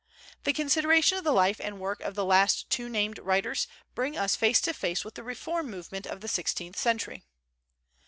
The consideration of the life and work of the two last named writers brings us face to face with the reform movement of the sixteenth century.